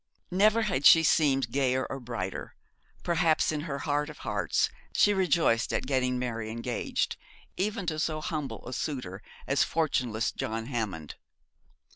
Never had she seemed gayer or brighter. Perhaps in her heart of hearts she rejoiced at getting Mary engaged, even to so humble a suitor as fortuneless John Hammond.